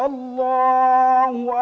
allah is law